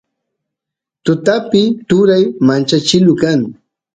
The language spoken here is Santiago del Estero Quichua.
tutapi turay manchkilu kan